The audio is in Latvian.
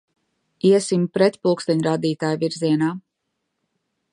Iesim pretpulksteņrādītājvirzienā!